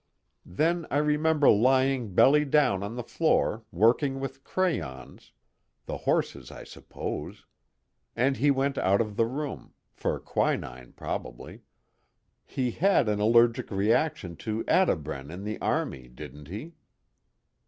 Then I remember lying belly down on the floor, working with crayons the horses, I suppose. And he went out of the room, for quinine probably he had an allergic reaction to atabrine in the Army, didn't he?"